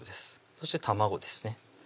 そして卵ですね